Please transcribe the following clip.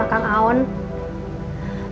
apa yang kamu buat waspada